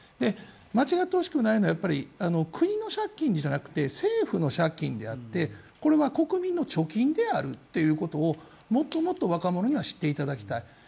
間違ってほしくないのは国の借金じゃなくて政府の借金であってこれは国民の貯金であるということをもっともっと若者には知ってもらいたい。